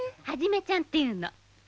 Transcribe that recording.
ハジメちゃんっていうの」